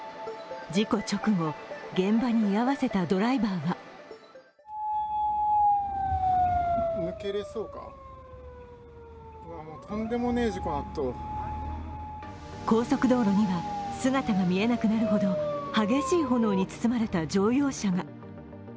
事故直後、現場に居合わせたドライバーは高速道路には、姿が見えなくなるほど激しい炎に包まれた乗用車が。